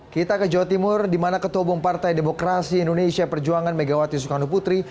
kita ke jawa timur di mana ketubung partai demokrasi indonesia perjuangan megawati sukarno putri